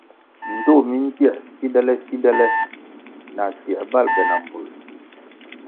Ndtoh mi ndzier sindele-sindele asier bal be na mbvul.